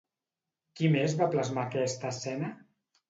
Qui més va plasmar aquesta escena?